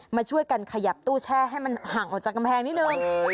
มาช่วยกันขยับตู้แช่ให้มันห่างออกจากกำแพงนิดนึง